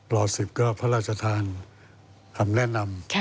รสิบก็พระราชทางทำแนะนำ